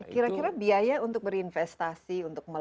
kira kira biaya untuk berinvestasi untuk